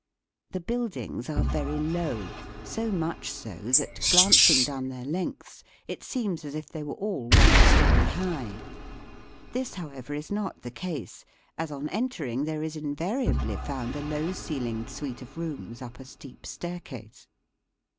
The buildings are very low, so much so that, glancing down their Digitized by VjOOQIC THE CAPITAL OP THE MIKADOS. 65 lengths, it seems as if they were all one story high. This, however, is not the case, as on entering there is invariably found a low ceiled suite of rooms up a steep staircase.